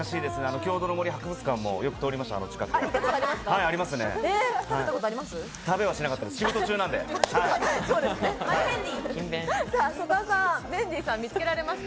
郷土の森博物館もよく通りました。